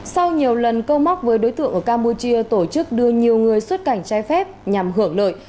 sau nhiều lần câu móc với đối tượng ở campuchia tổ chức đưa nhiều người xuất cảnh trái phép nhằm hưởng lợi